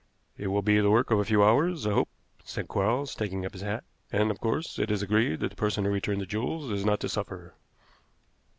"It will be the work of a few hours, I hope," said Quarles, taking up his hat; "and, of course, it is agreed that the person who returned the jewels is not to suffer."